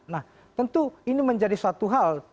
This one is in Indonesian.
nah tentu ini menjadi suatu hal